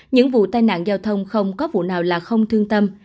những vụ tai nạn giao thông không có vụ nào là không thương tâm